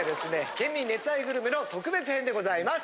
県民熱愛グルメの特別編でございます。